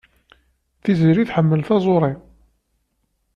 Tiziri tḥemmel taẓuri.